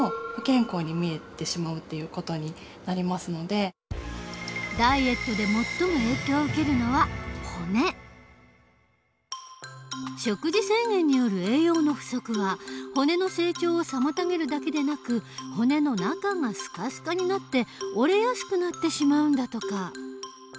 専門家は１０代のダイエットで食事制限による栄養の不足は骨の成長を妨げるだけでなく骨の中がすかすかになって折れやすくなってしまうんだとか。